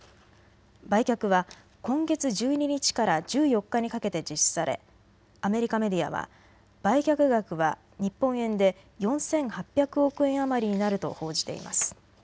売却は今月１２日から１４日にかけて実施されアメリカメディアは売却額は日本円で４８００億円余りになると報じています。